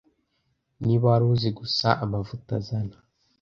niba wari uzi gusa amavuta azana